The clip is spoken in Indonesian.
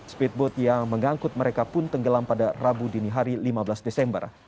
speedboat yang mengangkut mereka pun tenggelam pada rabu dini hari lima belas desember